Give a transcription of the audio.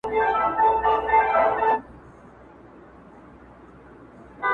غنم خو زندګۍ ستا په مېچنه نه بېلېږي